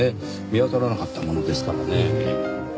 見当たらなかったものですからねぇ。